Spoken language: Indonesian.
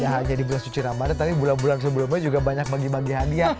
ya hanya di bulan suci ramadhan tapi bulan bulan sebelumnya juga banyak bagi bagi hadiah